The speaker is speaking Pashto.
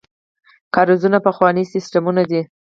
کاریزونه پخواني سیستمونه دي.